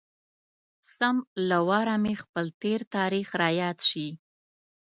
سم له واره مې خپل تېر تاريخ را یاد شي.